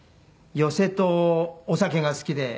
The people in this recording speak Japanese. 寄席とお酒が好きで。